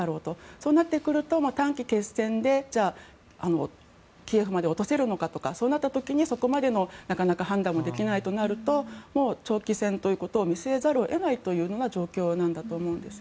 そうなってくると短期決戦でじゃあ、キーウまで落とせるのかとかそうなった時にそこまでの判断もなかなかできないとなるともう長期戦ということを見据えざるを得ない状況だと思うんです。